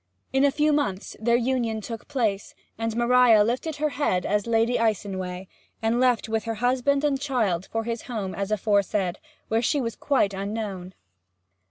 In a few months their union took place, and Maria lifted her head as Lady Icenway, and left with her husband and child for his home as aforesaid, where she was quite unknown.